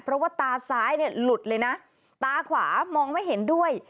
เพราะว่าตาซ้ายเนี่ยหลุดเลยนะตาขวามองไม่เห็นด้วย